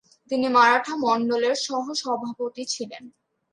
তিনি মারাঠা মন্ডলের সহসভাপতি ছিলেন।